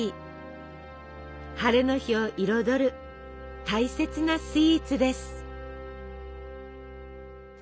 晴れの日を彩る大切なスイーツです。